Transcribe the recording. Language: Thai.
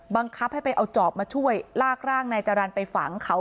บังคับให้ไปเอาจอบมาช่วยลากร่างนายจรรย์ไปฝังเขา